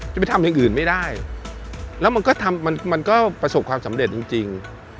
ไปทำอย่างอื่นไม่ได้แล้วมันก็ทำมันก็ประสบความสำเร็จจริง